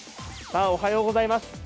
おはようございます